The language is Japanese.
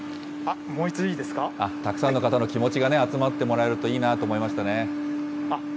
たくさんの方の気持ちが集まってもらえるといいなと思いましたね。